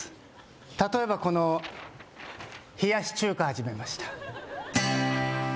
例えばこの「冷やし中華はじめました」